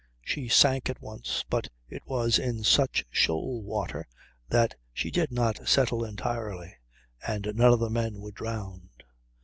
She sank at once, but it was in such shoal water that she did not settle entirely, and none of the men were drowned.